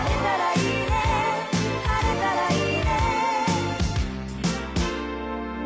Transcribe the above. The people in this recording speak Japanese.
「晴れたらいいね」